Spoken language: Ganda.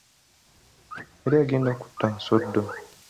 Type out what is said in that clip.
Yali agenda kutta Nsodo